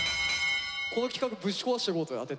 この企画ぶち壊してこうぜ当てて。